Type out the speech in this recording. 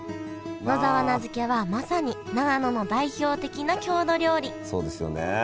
野沢菜漬けはまさに長野の代表的な郷土料理そうですよね。